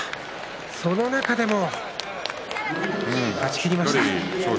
その中でも勝ち切りました。